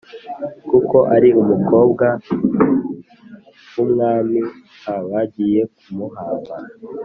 kuko ari umukobwa w umwami h Bagiye kumuhamba